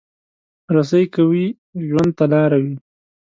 رسۍ که وي، ژوند ته لاره وي.